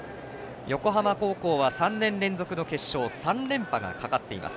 横浜高校は３年連続の決勝３連覇がかかっています。